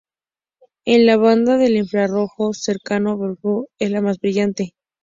En la banda-J del infrarrojo cercano, Betelgeuse es la más brillante.